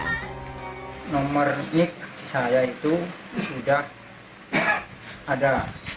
nomor nik saya itu sudah ada